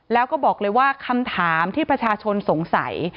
แล้วก็บอกเลยว่าคำถามที่ประชาชนสงสัย